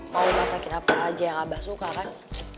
mau masakin apa aja yang abah suka kan